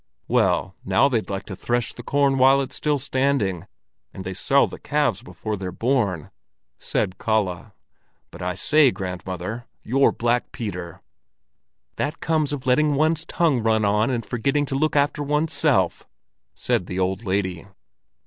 "Well, now they'd like to thresh the corn while it's still standing, and they sell the calves before they're born," said Kalle. "But I say, grandmother, you're Black Peter!" "That comes of letting one's tongue run on and forgetting to look after one's self!" said the old lady.